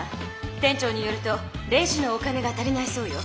店長によるとレジのお金がたりないそうよ。